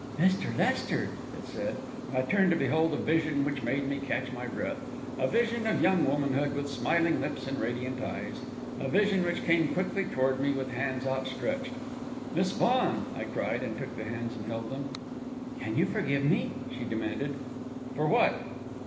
"Mr. Lester!" it said, and I turned to behold a vision which made me catch my breath a vision of young womanhood, with smiling lips and radiant eyes a vision which came quickly toward me, with hands outstretched. "Miss Vaughan!" I cried, and took the hands and held them. "Can you forgive me?" she demanded. "For what?"